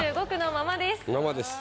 ままです。